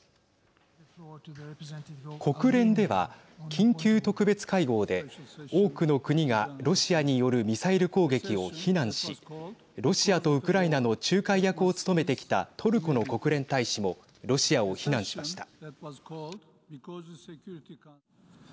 国連では緊急特別会合で多くの国がロシアによるミサイル攻撃を非難しロシアとウクライナの仲介役を務めてきたトルコの国連大使もロシアを非難しました。